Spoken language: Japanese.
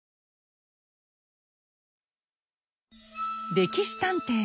「歴史探偵」